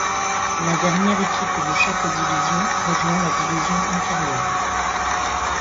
La dernière équipe de chaque division rejoint la division inférieure.